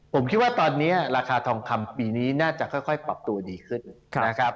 ผมคิดว่าตอนนี้ราคาทองคำปีนี้น่าจะค่อยปรับตัวดีขึ้นนะครับ